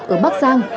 ở bác giang